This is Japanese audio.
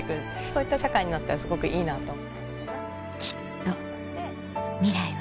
そういった社会になったらすごくいいなと。